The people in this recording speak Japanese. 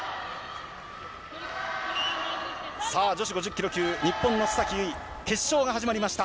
女子５０ｋｇ級日本の須崎優衣決勝が始まりました。